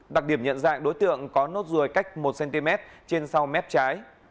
đặc điểm nhận dạng đối tượng có nốt ruồi cách một cm trên sau mép trái